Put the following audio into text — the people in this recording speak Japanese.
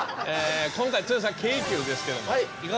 今回剛さん京急ですけどもいかがですか？